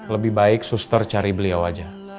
lebih baik suster cari beliau aja